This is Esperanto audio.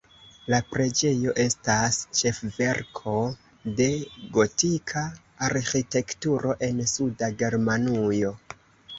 La preĝejo estas ĉefverko de gotika arĥitekturo en suda Germanujo.